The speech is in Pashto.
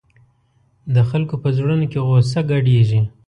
د خلکو په زړونو کې غوسه ګډېږي.